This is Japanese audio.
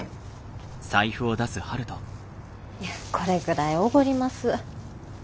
いやこれぐらいおごります。